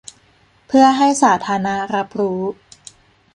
เพื่อให้สาธาณะรับรู้